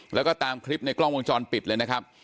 แล้วก็ตามคลิปในกล้องวงจรปิดเลยนะครับ